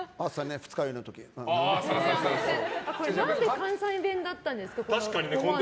何で関西弁だったんですか。